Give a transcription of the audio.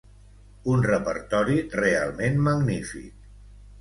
un repertori realment magnífic